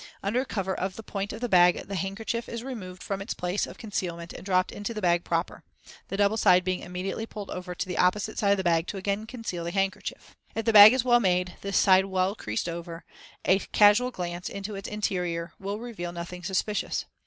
Under cover of the point of the bag the handkerchief is removed from its place of concealment and dropped into the bag proper, the double side being immediately pulled over to the opposite side of the bag to again conceal the handkerchief. If the bag is well made, this side well creased over, a casual glance into its interior will reveal nothing suspicious.